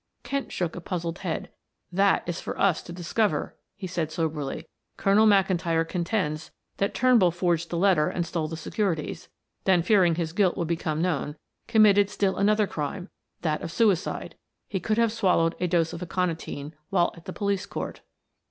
Kent shook a puzzled head. "That is for us to discover," he said soberly. "Colonel McIntyre contends that Turnbull forged the letter and stole the securities, then fearing his guilt would become known, committed still another crime that of suicide, he could have swallowed a dose of aconitine while at the police court."